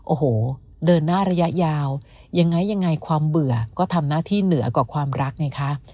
โอ้โหเดินหน้าระยะยาวยังไงยังไงความเบื่อก็ทำหน้าที่เหนือกว่าความรักไงคะ